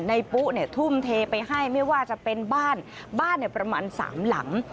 ปุ๊ทุ่มเทไปให้ไม่ว่าจะเป็นบ้านบ้านประมาณ๓หลัง